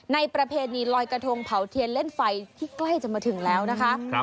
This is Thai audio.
ประเพณีลอยกระทงเผาเทียนเล่นไฟที่ใกล้จะมาถึงแล้วนะคะ